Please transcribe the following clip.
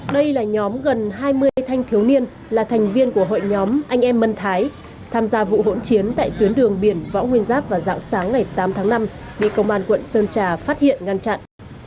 đây là nhóm gần hai mươi thanh thiếu niên là thành viên của hội nhóm anh em mân thái tham gia vụ hỗn chiến tại tuyến đường biển võ nguyên giáp vào dạng sáng ngày tám tháng năm bị công an quận sơn trà phát hiện ngăn chặn